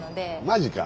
マジか。